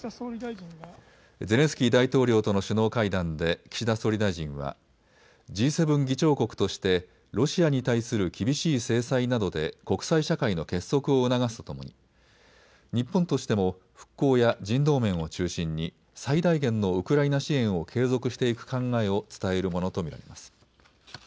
ゼレンスキー大統領との首脳会談で岸田総理大臣はＧ７議長国としてロシアに対する厳しい制裁などで国際社会の結束を促すとともに日本としても復興や人道面を中心に最大限のウクライナ支援を継続していく考えを伝えるものと見られます。